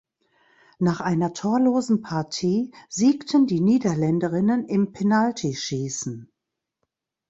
Nach einer torlosen Partie siegten die Niederländerinnen im Penaltyschießen.